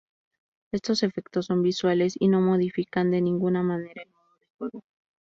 Estos efectos son visuales y no modifican de ninguna manera el modo de juego.